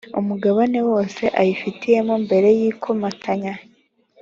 umugabane wose ayifitemo mbere y ikomatanya